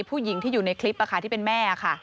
ผู้หญิงที่อยู่ในคลิปที่เป็นแม่ค่ะ